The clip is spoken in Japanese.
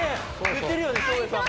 言ってるよね照英さんが。